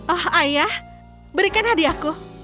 oh ayah berikan hadiahku